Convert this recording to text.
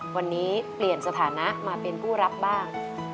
วันนี้เปลี่ยนสถานะมาเป็นผู้รับบ้าง